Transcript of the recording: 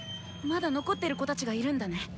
まだ残ってる子たちがいるんだね？